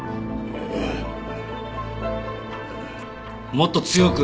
もっと強く！